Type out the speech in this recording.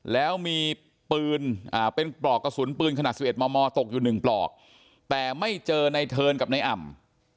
แล้วมีปืนเป็นปลอกกระสุนปืนขนาด๑๑มมตกอยู่๑ปลอกแต่ไม่เจอในเทิร์นกับนายอ่ำ